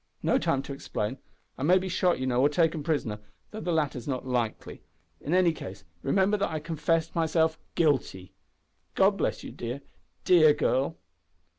"No time to explain. I may be shot, you know, or taken prisoner, though the latter's not likely. In any case remember that I confess myself guilty! God bless you, dear, dear girl."